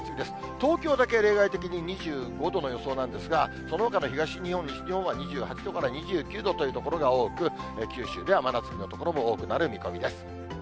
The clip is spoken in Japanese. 東京だけ例外的に２５度の予想なんですが、そのほかの東日本、西日本は２８度から２９度という所が多く、九州では真夏日の所も多くなる見込みです。